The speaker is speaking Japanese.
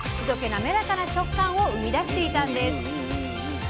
なめらかな食感を生み出していたんです。